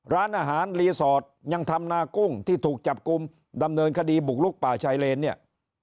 ร้านอาหารรีสอร์ทยังทำนากุ้งที่ถูกจับกลุ่มดำเนินคดีบุกลุกป่าชายเลนเนี่ย